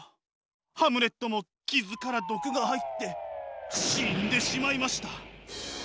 ハムレットも傷から毒が入って死んでしまいました。